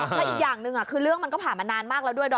และอีกอย่างหนึ่งคือเรื่องมันก็ผ่านมานานมากแล้วด้วยดอม